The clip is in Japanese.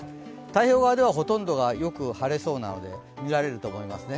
太平洋側ではほとんどがよく晴れそうなので、見られると思います。